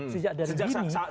sejak saat ini